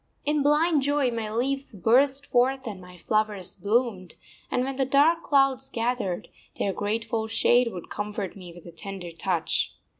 In blind joy my leaves burst forth and my flowers bloomed; and when the dark clouds gathered, their grateful shade would comfort me with a tender touch.